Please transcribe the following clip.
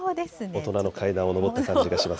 大人の階段を上った感じがします。